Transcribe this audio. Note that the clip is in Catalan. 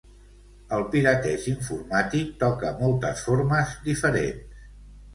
El pirateig informàtic toca moltes formes diferents.